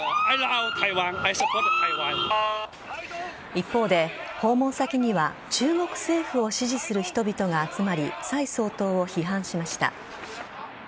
一方で、訪問先には中国政府を支持する人々が集まり蔡総統を批判しました。